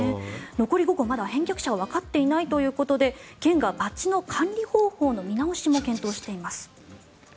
残りの５個は返却者がわかっていないということで県がバッジの管理方法の見直しも検討しています。